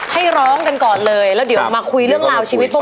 ให้ร้องกันก่อนเลยแล้วเดี๋ยวมาคุยเรื่องราวชีวิตพวก